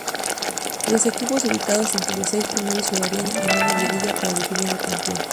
Los equipos ubicados entre los seis primeros jugarían una liguilla para definir al campeón.